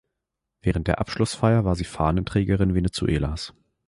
Während der Abschlussfeier war sie Fahnenträgerin Venezuelas.